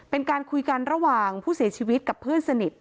เป็นการคุยกันระหว่างผู้เสียชีวิตกับเพื่อนสนิท